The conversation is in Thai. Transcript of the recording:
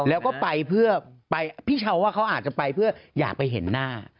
แล้วก็ไปเพื่อไปพี่ชาวว่าเขาอาจจะไปเพื่ออยากไปเห็นหน้า